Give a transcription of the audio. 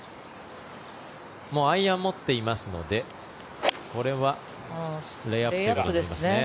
アイアンを持っていますのでこれはレイアップですね。